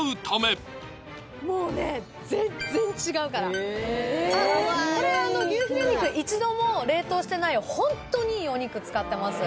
もうね全然違うからこれ牛ヒレ肉一度も冷凍してないホントにいいお肉使ってます